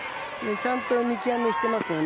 ちゃんと見極めをしていますよね